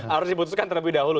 harus diputuskan terlebih dahulu